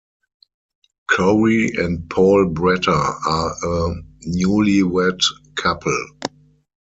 Corie and Paul Bratter are a newlywed couple.